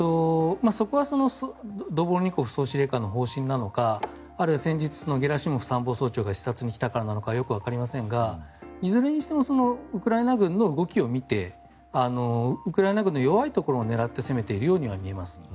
そこはドボルニコフ総司令官の作戦なのかあるいはゲラシモフ参謀総長が視察に来たからなのかわかりませんがいずれにしてもウクライナ軍の動きを見てウクライナ軍の弱いところを狙って攻めているように見えます。